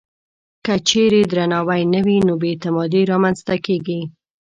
که چېرې درناوی نه وي، نو بې اعتمادي رامنځته کېږي.